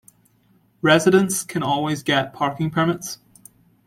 Residents can always get parking permits.